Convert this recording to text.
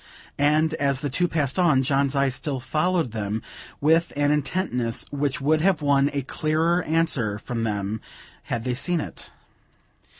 And, as the two passed on, John's eye still followed them, with an intentness which would have won a clearer answer from them, had they seen it.